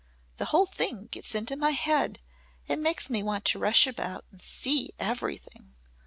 The whole thing gets into my head and makes me want to rush about and see everything.